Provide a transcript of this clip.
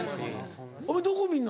お前どこ見んの？